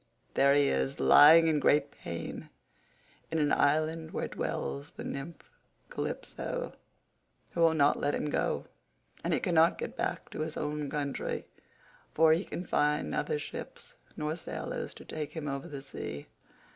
There he is, lying in great pain in an island where dwells the nymph Calypso, who will not let him go; and he cannot get back to his own country, for he can find neither ships nor sailors to take him over the sea.